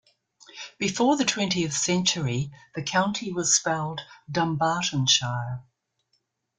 Before the twentieth century, the county was spelled Dumbartonshire.